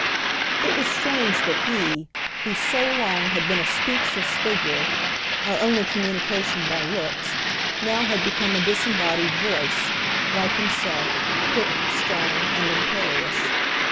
It was strange that he, who so long had been a speechless figure our only communication by looks now had become a disembodied voice, like himself, quick, strong and imperious.